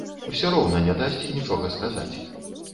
Усё роўна не дасць нічога сказаць.